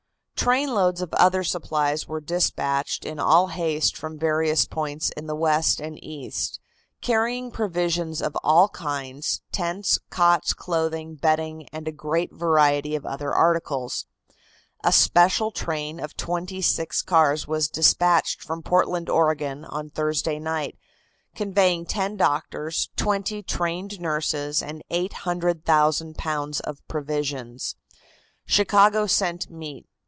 Trainloads of other supplies were dispatched in all haste from various points in the West and East, carrying provisions of all kinds, tents, cots, clothing, bedding and a great variety of other articles. A special train of twenty six cars was dispatched from Portland, Oregon, on Thursday night, conveying ten doctors, twenty trained nurses and 800,000 pounds of provisions. Chicago sent meat.